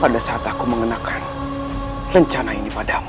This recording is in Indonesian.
pada saat aku mengenakan rencana ini padamu